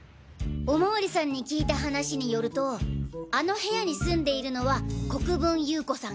お巡りさんに聞いた話によるとあの部屋に住んでいるのは国分優子さん